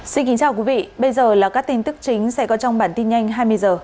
xin kính chào quý vị bây giờ là các tin tức chính sẽ có trong bản tin nhanh hai mươi h